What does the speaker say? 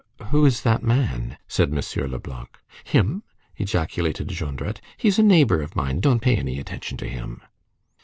"Who is that man?" said M. Leblanc. "Him?" ejaculated Jondrette, "he's a neighbor of mine. Don't pay any attention to him."